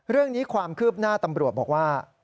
เรื่องนี้ความคืบหน้าตำรวจบอกว่า